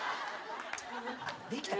できた。